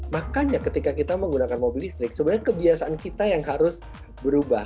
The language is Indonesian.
makanya ketika kita menggunakan mobil listrik sebenarnya kebiasaan kita yang harus berubah